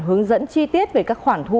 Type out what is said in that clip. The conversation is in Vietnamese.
hướng dẫn chi tiết về các khoản thu